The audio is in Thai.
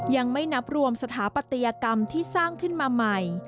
ยังไม่นับรวมสถาปัตยกรรมที่สร้างขึ้นมาใหม่